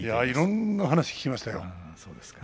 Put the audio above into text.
いろんな話を聞きましたよ。